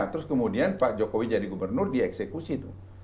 terus kemudian pak jokowi jadi gubernur dia eksekusi tuh